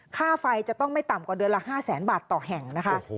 ค่าไฟจะต้องไม่ต่ำกว่าเดือนละ๕แสนบาทต่อแห่งนะคะ